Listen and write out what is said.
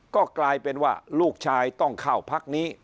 ก็กลายเป็นว่าลูกชายต้องเข้าพักนี้